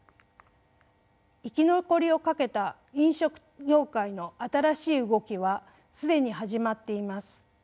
生き残りをかけた飲食業界の新しい動きは既に始まっています。